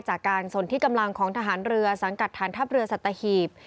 จากการสนที่กำลังของทหารเรือสังกัดฐานทัพเรือสัตหีบ